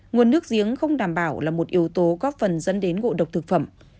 nguồn nước giếng không đảm bảo là một yếu tố góp phần dẫn đến ngộ độc thực phẩm